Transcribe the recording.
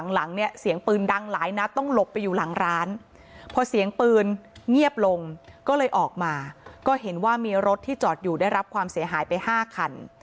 หลังเนี่ยเสียงปืนดังหลายนัดต้องหลบไปอยู่หลังร้านพอเสียงปืนเงียบลงก็เลยออกมาก็เห็นว่ามีรถที่จอดอยู่ได้รับความเสียหายไป๕คัน